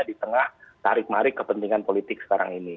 di tengah tarik marik kepentingan politik sekarang ini